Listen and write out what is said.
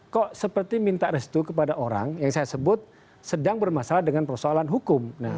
kok seperti minta restu kepada orang yang saya sebut sedang bermasalah dengan persoalan hukum